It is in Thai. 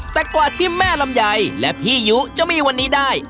แต่กว่าที่แม่ลำไยและพี่ยุจะมีวันนี้ได้